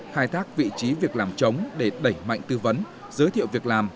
khai thác vị trí việc làm chống để đẩy mạnh tư vấn giới thiệu việc làm